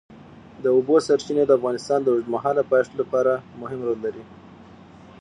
د اوبو سرچینې د افغانستان د اوږدمهاله پایښت لپاره مهم رول لري.